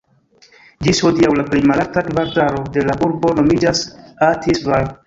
Ĝis hodiaŭ, la plej malalta kvartalo de la urbo nomiĝas "Athis-Val".